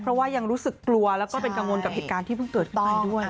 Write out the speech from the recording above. เพราะว่ายังรู้สึกกลัวแล้วก็เป็นกังวลกับเหตุการณ์ที่เพิ่งเกิดขึ้นไปด้วย